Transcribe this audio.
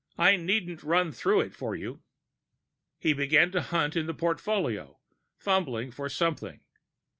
I needn't run through it for you." He began to hunt in the portfolio, fumbling for something.